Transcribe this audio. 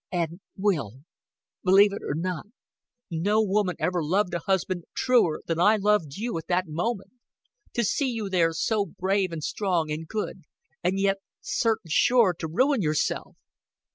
"And, Will believe it or not no woman ever loved a husband truer than I loved you at that moment. To see you there so brave and strong and good and yet certain sure to ruin yourself!